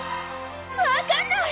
分かんない！